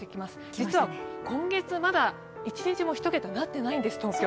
実は今月、まだ一日も東京は１桁になってないんです。